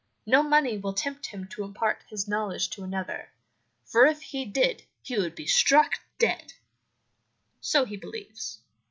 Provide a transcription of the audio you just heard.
No money will tempt him to impart his knowledge to another, for if he did he would be struck dead so he believes.